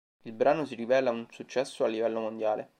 Il brano si rivela un successo a livello mondiale.